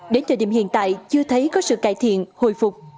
đến thời điểm hiện tại chưa thấy có sự cải thiện hồi phục